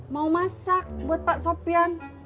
mau masak buat pak sofian